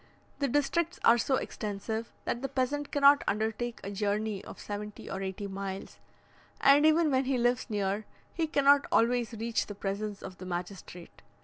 The districts are so extensive, that the peasant cannot undertake a journey of seventy or eighty miles; and even when he lives near, he cannot always reach the presence of the magistrate.